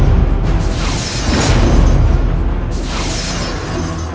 tak ada mak inner juara lagi